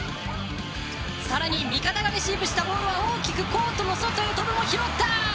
さらに味方がレシーブしたボールが大きくコートの外へ飛ぶも拾った。